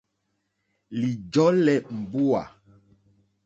Lìjɔ́lɛ̀ mbúà.